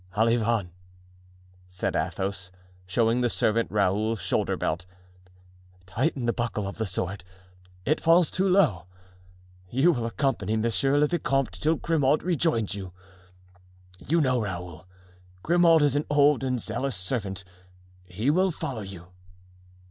"Olivain," said Athos, showing the servant Raoul's shoulder belt, "tighten the buckle of the sword, it falls too low. You will accompany monsieur le vicomte till Grimaud rejoins you. You know, Raoul, Grimaud is an old and zealous servant; he will follow you."